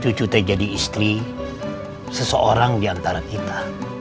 cucu saya jadi istri seseorang diantara kita